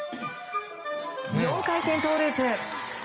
４回転トウループ。